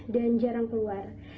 dan jarang keluar